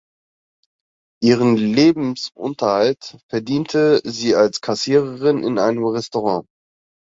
Ihren Lebensunterhalt verdiente sie als Kassiererin in einem Restaurant.